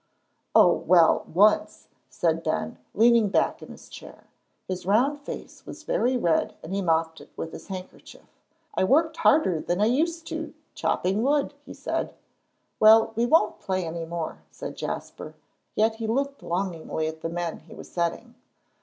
"Oh, well, once," said Ben, leaning back in his chair. His round face was very red and he mopped it with his handkerchief. "I worked harder than I used to chopping wood," he said. "Well, we won't play any more," said Jasper, yet he looked longingly at the men he was setting.